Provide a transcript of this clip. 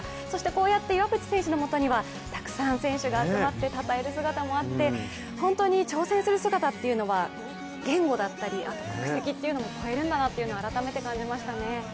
そしてこうやって岩渕選手のもとにはたくさん選手が集まってたたえる姿もあって、本当に挑戦する姿というのは言語だったり、国籍っていうのは越えるんだなって改めて感じましたね。